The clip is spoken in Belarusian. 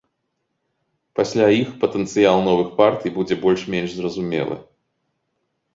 Пасля іх патэнцыял новых партый будзе больш-менш зразумелы.